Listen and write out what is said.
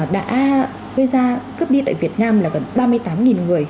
đã gây ra cướp đi tại việt nam là gần ba mươi tám người